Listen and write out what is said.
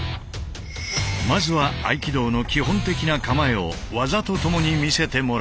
まずは合気道の基本的な構えを技とともに見せてもらう。